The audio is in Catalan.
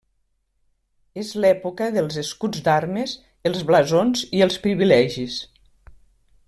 És l'època dels escuts d'armes, els blasons i els privilegis.